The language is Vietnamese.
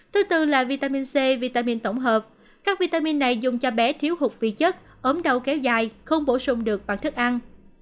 thứ bốn vitamin c vitamin tổng hợp các vitamin này dùng cho bé thiếu hụt vị chất ốm đầu kéo dài không bổ sung được bằng thức ăn